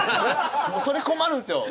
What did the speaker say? それ困るんですよ！